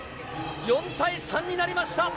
４対３になりました。